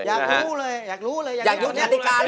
อยากรู้เลยอยากรู้เลย